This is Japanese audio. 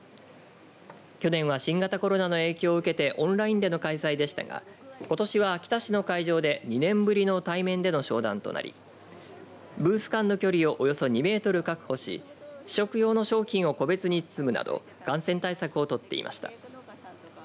去年は新型コロナの影響を受けてオンラインでの開催でしたがことしは秋田市の会場で２年ぶりの対面での商談となりブース間の距離をおよそ２メートル確保し試食用の商品を個別に包むなど感染対策を取っていました。